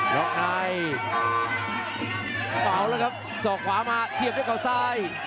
โดคในเปาแล้วครับสอกขวามาเทียบเข้าสาย